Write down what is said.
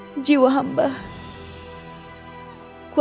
terima kasih bu